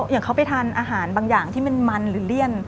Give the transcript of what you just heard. อย่างเขาไปทานอาหารบางอย่างที่มันหรือเลี่ยน